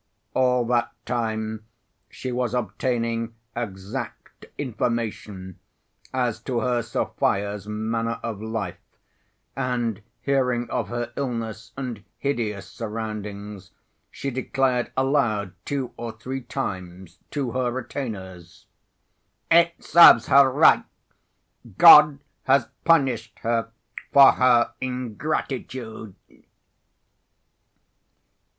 All that time she was obtaining exact information as to her Sofya's manner of life, and hearing of her illness and hideous surroundings she declared aloud two or three times to her retainers: "It serves her right. God has punished her for her ingratitude."